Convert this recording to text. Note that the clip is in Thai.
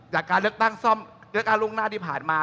จากการเลือกตั้งซ่อมเลือกตั้งล่วงหน้าที่ผ่านมา